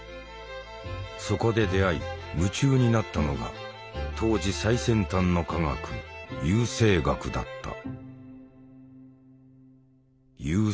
そこで出会い夢中になったのが当時最先端の科学「優生学」だった。